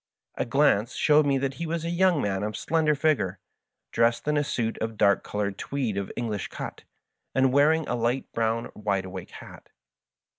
A glance showed me that he was a young man of slender figure, dressed in a suit of dark ^solored tweed, of Engh'sh cut, and wearing a light brown wide awake hat.